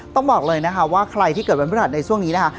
ต้องบอกเลยนะคะว่าใครที่เกิดวันพฤหัสในช่วงนี้นะคะ